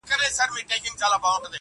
o چي شپه تېره سي، خبره هېره سي٫